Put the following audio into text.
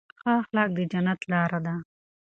ښه اخلاق د جنت لاره ده.